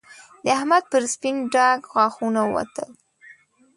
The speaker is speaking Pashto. د احمد پر سپين ډاګ غاښونه ووتل